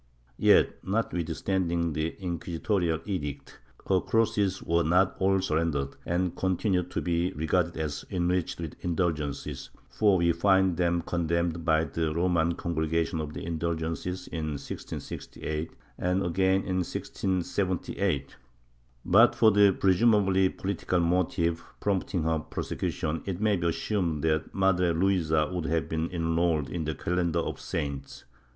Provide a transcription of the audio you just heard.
Yet, notwithstanding the inquisitorial edict, her crosses were not all surrendered and continued to be regarded as enriched with indulgences, for we find them condemned by the Roman Congregation of Indulgences in 1668 and again in 1678.^ But for the presumably political motive prompting her prose cution it may be assumed that Madre Luisa would have been enrolled in the calendar of saints.